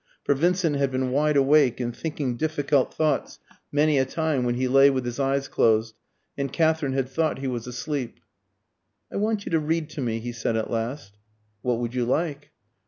For Vincent had been wide awake and thinking difficult thoughts many a time when he lay with his eyes closed, and Katherine had thought he was asleep. "I want you to read to me," he said at last. "What would you like?"